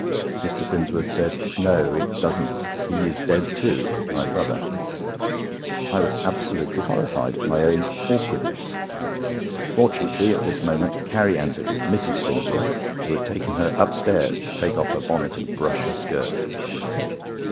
Mr. Finsworth said: "No, it doesn't. He is dead too—my brother." I was absolutely horrified at my own awkwardness. Fortunately at this moment Carrie entered with Mrs. Finsworth, who had taken her upstairs to take off her bonnet and brush her skirt.